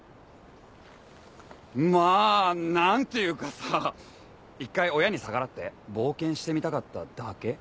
まあなんていうかさ一回親に逆らって冒険してみたかっただけ。